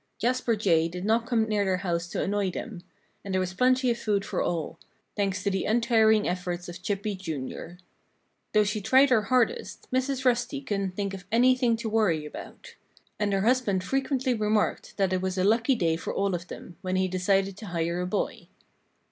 Jasper Jay did not come near their house to annoy them; and there was plenty of food for all thanks to the untiring efforts of Chippy, Jr. Though she tried her hardest, Mrs. Rusty couldn't think of anything to worry about. And her husband frequently remarked that it was a lucky day for all of them when he decided to hire a boy.